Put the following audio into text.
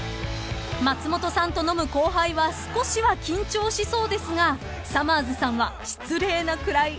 ［松本さんと飲む後輩は少しは緊張しそうですがさまぁずさんは失礼なくらいリラックスしているとか］